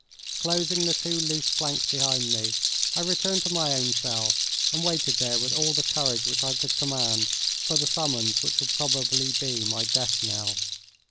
Closing the two loose planks behind me I returned to my own cell and waited there with all the courage which I could command for the summons which would probably be my death knell.